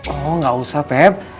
oh gak usah feb